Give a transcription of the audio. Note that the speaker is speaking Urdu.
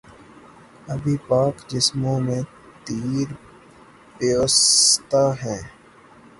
ابھی پاک جسموں میں تیر پیوستہ ہیں